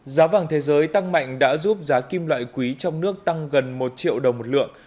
giá vàng thế giới tăng mạnh đã giúp giá kim loại quý trong nước tăng gần một triệu đồng một lượng